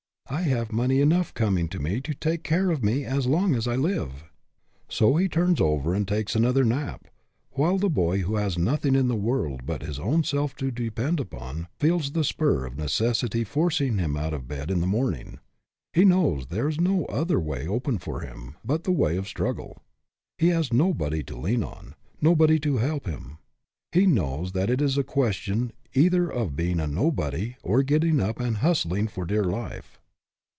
I have money enough coming to me to take care of me as long as I live." So he turns over and takes another nap, while the boy who has nothing in the world but his own self to depend upon feels the spur of necessity forcing him out of bed in the morning. He knows there is no other way open for him but the way of struggle. He has nobody to lean on nobody to help him. He knows that it is a question either of being a nobody or getting up and hustling for dear life.